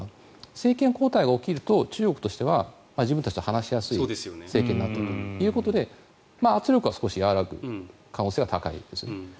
政権交代が起きると中国としては自分たちと話しやすい政権だということで圧力は少し和らぐ可能性は高いですよね。